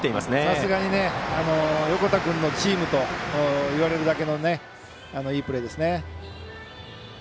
さすがに横田君のチームといわれるだけのいいプレーですね。